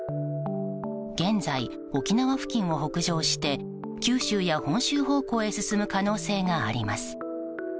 現在、沖縄付近を北上して九州や本州方向へ進む可能性があります。